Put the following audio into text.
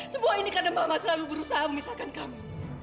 semua ini karena mama selalu berusaha memisahkan kami